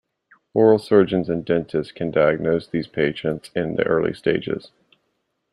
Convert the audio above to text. Oral surgeons and dentists can diagnose these patients in the early stages.